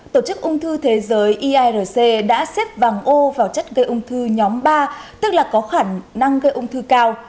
tổ chức ung thư thế giới iac đã xếp vàng ô vào chất gây ung thư nhóm ba tức là có khả năng gây ung thư cao